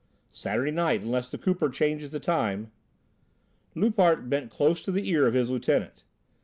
"Saturday night, unless the Cooper changes the time." Loupart bent close to the ear of his lieutenant.